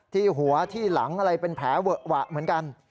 ที่หัวที่หลังเป็นแผลเหวะเหมือนกัน